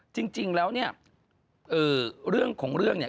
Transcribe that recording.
จริงแล้วเนี่ยเรื่องของเรื่องเนี่ย